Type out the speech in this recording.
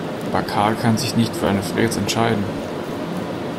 Aber Karl kann sich nicht für eine Fräse entscheiden.